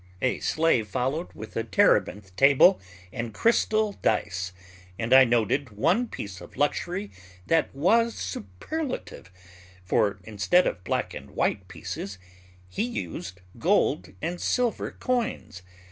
A slave followed with a terebinth table and crystal dice, and I noted one piece of luxury that was superlative; for instead of black and white pieces, he used gold and silver coins.